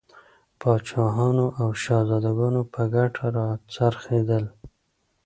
پاچاهانو او شهزادګانو په ګټه را څرخېدل.